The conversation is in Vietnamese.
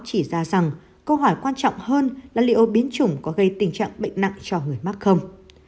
chỉ ra rằng câu hỏi quan trọng hơn là liệu biến chủng có gây tình trạng bệnh nặng cho người mắc không